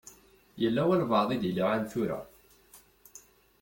Yella walebɛaḍ i d-iluɛan tura.